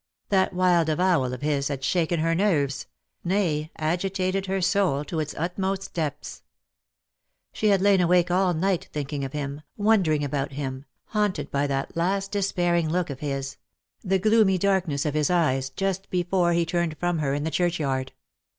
That wild avowal of his had shaken her nerves, nay, agitated her soul to its utmost depths. She had lain awake all night thinking of him, wondering about him, haunted by that last despairing look of his, the gloomy darkness of his eyes just before he turned from her in the churchyard.